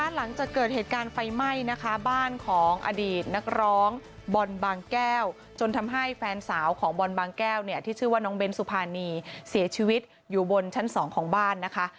หลังจากเกิดเหตุการณ์ไฟไหม้นะคะบ้านของอดีตนักร้องบอลบางแก้วจนทำให้แฟนสาวของบอลบางแก้วเนี่ยที่ชื่อว่าน้องเบ้นสุภานีเสียชีวิตอยู่บนชั้น๒ของบ้านนะคะ